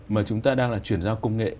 mà chúng ta đang là chuyển giao công nghệ